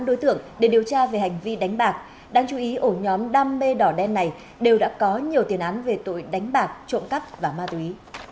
năm đối tượng để điều tra về hành vi đánh bạc đáng chú ý ổ nhóm đam mê đỏ đen này đều đã có nhiều tiền án về tội đánh bạc trộm cắp và ma túy